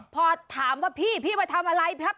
พอถามว่าพี่พี่มาทำอะไร